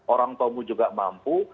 orang tuamu juga mampu